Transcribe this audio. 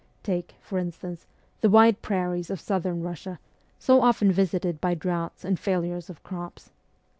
Take, for instance, the wide prairies of Southern Eussia, so often visited by droughts and failures of crops.